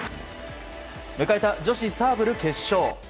迎えた女子サーブル決勝。